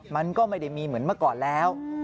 มันก็ไม่ได้มีเหมือนเมื่อก่อนแล้ว